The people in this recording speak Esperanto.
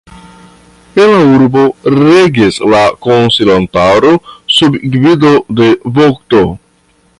En la urbo regis la konsilantaro sub gvido de vokto.